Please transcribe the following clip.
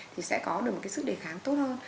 thì sẽ có được một cái sức đề kháng tốt hơn